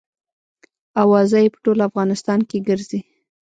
اوازه یې په ټول افغانستان کې ګرزي.